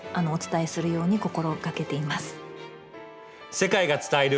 世界が伝える。